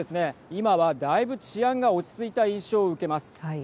今はだいぶ治安が落ち着いた印象を受けます。